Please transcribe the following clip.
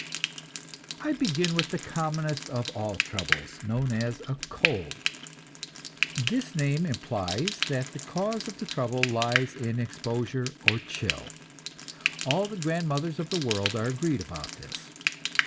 I begin with the commonest of all troubles, known as a "cold." This name implies that the cause of the trouble lies in exposure or chill. All the grandmothers of the world are agreed about this.